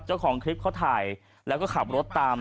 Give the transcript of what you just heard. เจ้าของคลิปเขาถ่ายแล้วก็ขับรถตาม